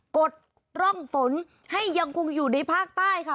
กดร่องฝนให้ยังคงอยู่ในภาคใต้ค่ะ